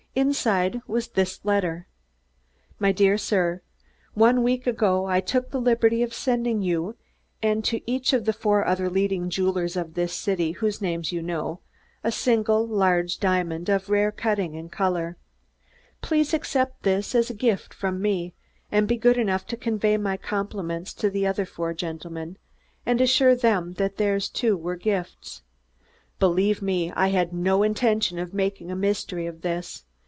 Inside was this letter: MY DEAR SIR: One week ago I took the liberty of sending to you, and to each of four other leading jewelers of this city whose names you know, a single large diamond of rare cutting and color. Please accept this as a gift from me, and be good enough to convey my compliments to the other four gentlemen, and assure them that theirs, too, were gifts. Believe me, I had no intention of making a mystery of this.